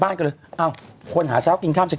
พี่เราหลุดมาไกลแล้วฝรั่งเศส